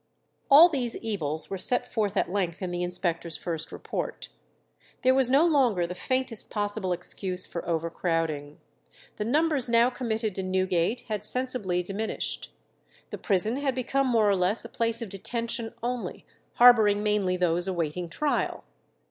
All these evils were set forth at length in the inspectors' first report. There was no longer the faintest possible excuse for overcrowding. The numbers now committed to Newgate had sensibly diminished. The prison had become more or less a place of detention only, harbouring mainly those awaiting trial.